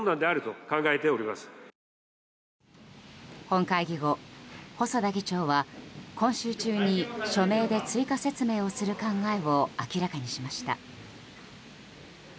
本会議後、細田議長は今週中に、書面で追加説明する考えを明らかにしました。